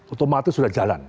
otomatis sudah jalan